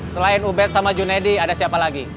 selain ubed sama junedi ada siapa lagi